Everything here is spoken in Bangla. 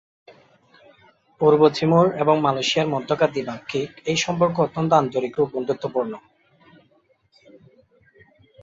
পূর্ব তিমুর এবং মালয়েশিয়ার মধ্যকার দ্বিপাক্ষিক এই সম্পর্ক অত্যন্ত আন্তরিক এবং বন্ধুত্বপূর্ণ।